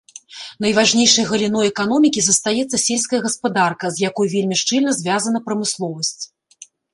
Найважнейшай галіной эканомікі застаецца сельская гаспадарка, з якой вельмі шчыльна звязана прамысловасць.